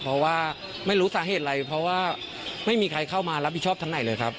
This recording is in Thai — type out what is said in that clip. เพราะว่าไม่รู้สาเหตุอะไรเพราะว่าไม่มีใครเข้ามารับผิดชอบทางไหนเลยครับ